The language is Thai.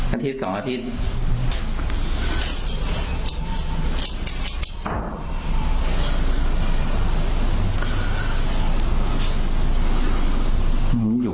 อาทิตย์๒อาทิตย์